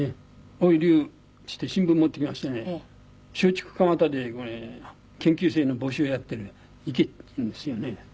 「おい笠」って言って新聞持ってきましてね「松竹蒲田で研究生の募集やってる」「行け」って言うんですよね。